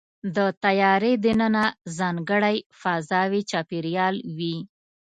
د طیارې دننه ځانګړی فضاوي چاپېریال وي.